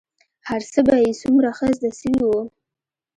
هرڅه به يې څومره ښه زده سوي وو.